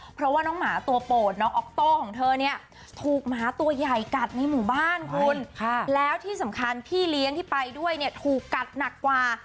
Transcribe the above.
เพราะว่าน้องหมาตัวโปรดน้องออกโต้ของเธอเนี่ยถูกหมาตัวใหญ่กัดในหมู่บ้านคุณแล้วที่สำคัญพี่เลี้ยงที่ไปด้วยเนี่ยถูกกัดหนักกว่า